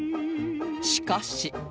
しかし